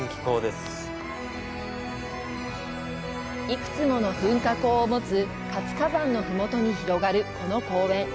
幾つもの噴火口を持つ活火山のふもとに広がるこの公園。